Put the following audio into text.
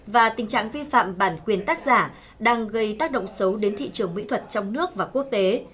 và tình trạng vi phạm bản quyền tác giả đang gây tác động xấu đến thị trường mỹ thuật trong nước và quốc tế